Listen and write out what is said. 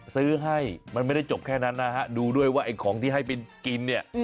ซื้อให้มันไม่ได้จบแค่นั้นนะฮะดูด้วยว่าไอ้ของที่ให้ไปกินเนี่ย